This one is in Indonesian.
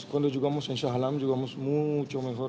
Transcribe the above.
untuk mencari tempat yang lebih besar